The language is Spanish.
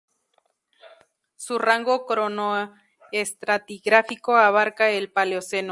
Su rango cronoestratigráfico abarca el Paleoceno.